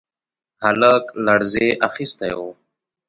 هلک لړزې اخيستی و.